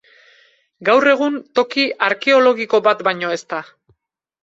Gaur egun, toki arkeologiko bat baino ez da.